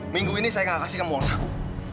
minggu ini saya nggak kasih kamu uang saku